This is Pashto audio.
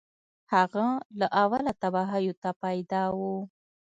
هغه له اوله تباهیو ته پیدا و